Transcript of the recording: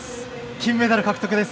金メダル獲得です。